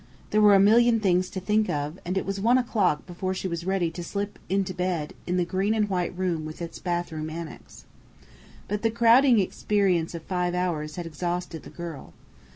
There were a million things to think of, and it was one o'clock before she was ready to slip into bed in the green and white room with its bathroom annex. But the crowding experiences of five hours had exhausted the girl.